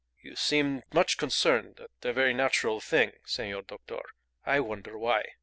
"You seem much concerned at a very natural thing, senor doctor. I wonder why?